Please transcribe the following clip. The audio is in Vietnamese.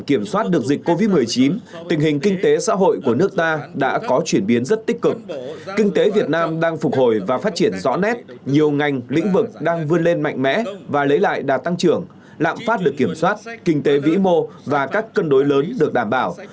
kinh tế vĩ mô và các cân đối lớn được đảm bảo